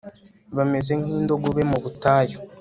bameze nk'indogobe mu butayu